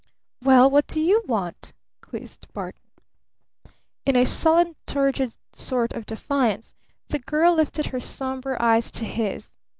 "Well, what do you want?" quizzed Barton. In a sullen, turgid sort of defiance the girl lifted her somber eyes to his.